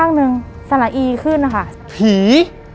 ข้างหนึ่งสละอีขึ้นนะคะผี